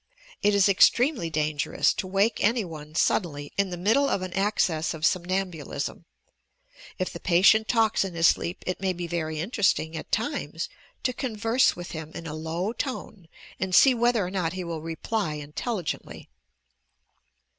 It is extremely dangerous to wake any one sud denly in the middle of an access of somnambulism. If the patient talks in his sleep it may be very interesting, at times, to converse with him in a low tone and see whether or not he will reply intelligently.